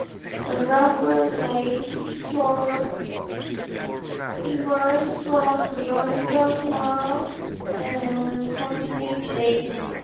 The Blackbird Leys Choir emerged from the original choir and continues today.